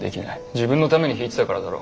自分のために弾いてたからだろ。